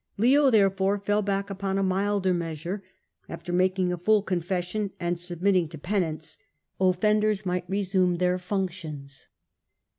Leo, therefore, fell back upon a milder measure ; afber making a full con fession, and submitting to penance, offenders might resume their functions.